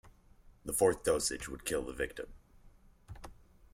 The fourth dosage would kill the victim.